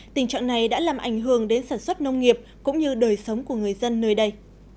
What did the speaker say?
tình trạng này đã làm ảnh hưởng đến sản xuất nông nghiệp cũng như đời sống của người dân nơi đây